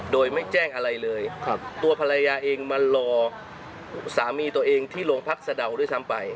โดยไม่แจ้งอะไรเลยตัวภรรยาเองมารอสามีตัวเองที่โรงพักสะดาวด้วยซ้ำไป